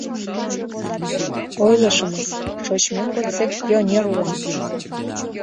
— Ойлышымыс: шочмем годсек пионер улам!